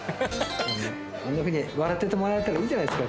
あんなふうに笑っててもらえたらいいじゃないですか。